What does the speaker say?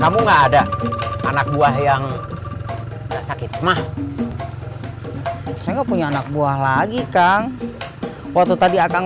kamu enggak ada anak buah yang sakit mah saya punya anak buah lagi kang waktu tadi akan